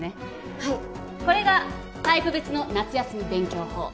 はいこれがタイプ別の夏休み勉強法